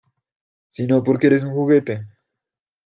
Sino porque eres un juguete.